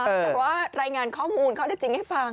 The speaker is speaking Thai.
แต่ว่ารายงานข้อมูลข้อได้จริงให้ฟัง